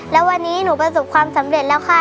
แล้ววันนี้หนูประสบความสำเร็จแล้วค่ะ